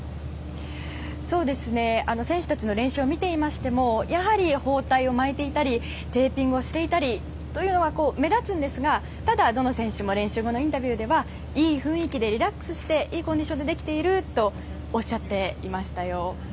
選手たちの練習を見ていましてもやはり、包帯を巻いていたりテーピングをしていたりは目立つんですがただ、どの選手も練習後のインタビューではいい雰囲気で、リラックスしていいコンディションでできているとおっしゃっていましたよ。